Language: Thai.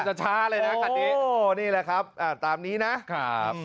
จะช้าเลยนะคันนี้นี่แหละครับตามนี้นะ